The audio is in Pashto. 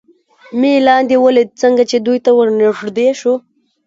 مې لاندې ولید، څنګه چې دوی ته ور نږدې شو.